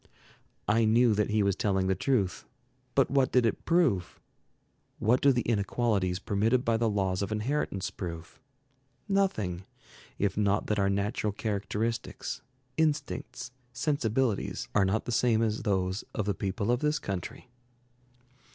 I knew that he was telling the truth. But what did it prove? What do the inequalities permitted by the laws of inheritance prove? Nothing, if not that our natural characteristics, instincts, sensibilities, are not the same as those of the people of this country.